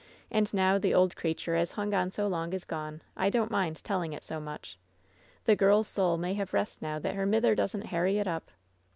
And now the old creature as hung on so long is gone, I don't mind telling it so much. The girl's soul may have rest now that her mither doesn't harry it up."